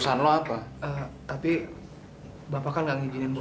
selamat pak sampi